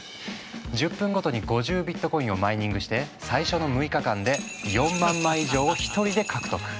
１０分ごとに５０ビットコインをマイニングして最初の６日間で４万枚以上を１人で獲得。